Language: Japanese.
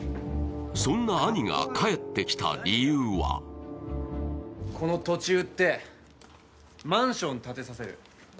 そんな兄が帰ってきた理由はこの土地売って、マンション建てさせる。